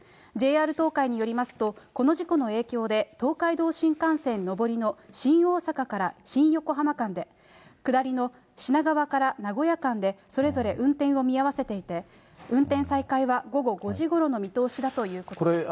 ＪＲ東海によりますと、この事故の影響で、東海道新幹線上りの新大阪から新横浜間で、下りの品川から名古屋間で、それぞれ運転を見合わせていて、運転再開は午後５時ごろの見通しだということです。